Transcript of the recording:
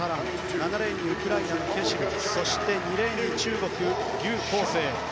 ７レーンにウクライナのケシルそして２レーンに中国ギュウ・コウセイ。